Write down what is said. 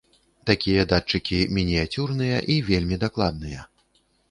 Такія датчыкі мініяцюрныя і вельмі дакладныя.